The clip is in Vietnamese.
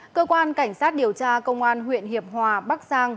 cơ quan cảnh sát điều tra công an huyện hiệp hòa bắc giang